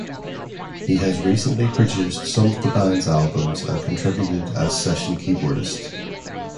He has recently produced some of the band's albums and contributed as session keyboardist.